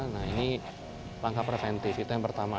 nah ini langkah preventif itu yang pertama